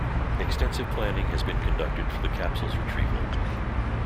Extensive planning had been conducted for the capsule's retrieval.